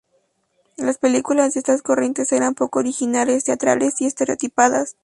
Las películas de esta corriente eran poco originales, teatrales y estereotipadas.